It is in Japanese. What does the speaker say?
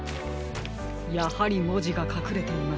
やはりもじがかくれていましたか。